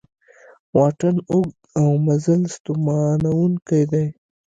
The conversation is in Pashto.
واټن اوږد او مزل ستومانوونکی دی